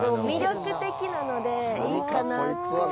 魅力的なのでいいかなと。